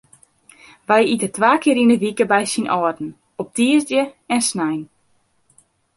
Wy ite twa kear yn de wike by syn âlden, op tiisdei en snein.